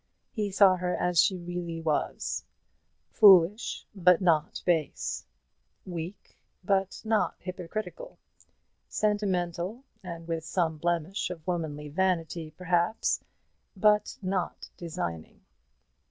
He saw her as she really was: foolish, but not base; weak, but not hypocritical; sentimental, and with some blemish of womanly vanity perhaps, but not designing.